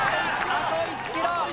あと１ｋｍ。